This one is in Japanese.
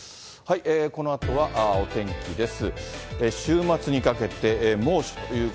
このあとはお天気です。